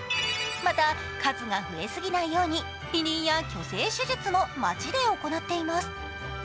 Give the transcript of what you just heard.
また、数が増え過ぎないように避妊や去勢手術も街で行っています。